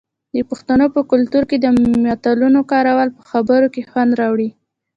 د پښتنو په کلتور کې د متلونو کارول په خبرو کې خوند راوړي.